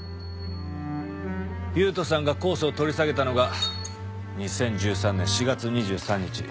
優人さんが控訴を取り下げたのが２０１３年４月２３日。